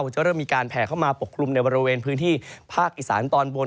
จะเริ่มมีการแผ่เข้ามาปกคลุมในบริเวณพื้นที่ภาคอีสานตอนบน